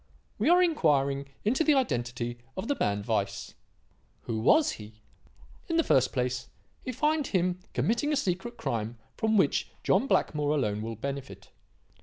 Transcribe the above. We are inquiring into the identity of the man Weiss. Who was he? "In the first place, we find him committing a secret crime from which John Blackmore alone will benefit.